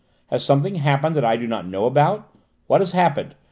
Has something happened that I do not know about? What has happened?